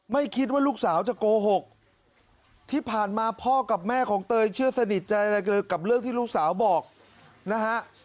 ไม่คิดว่าลูกสาวจะโกหกที่ผ่านมาพ่อกับแม่ของเตยเชื่อสนิทใจอะไรกับเรื่องที่ลูกสาวบอกนะฮะ